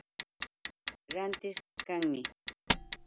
Rantiq kanmi.